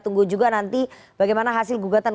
tunggu juga nanti bagaimana hasil gugatan